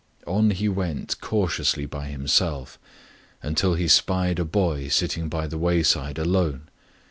On he went cau tiously by himself, until he spied a boy sitting by the wayside alone.